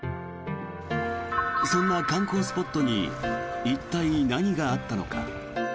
そんな観光スポットに一体、何があったのか。